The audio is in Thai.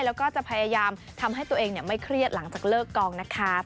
แล้วก็จะพยายามทำให้ตัวเองไม่เครียดหลังจากเลิกกองนะครับ